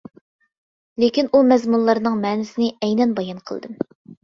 لېكىن ئۇ مەزمۇنلارنىڭ مەنىسىنى ئەينەن بايان قىلدىم.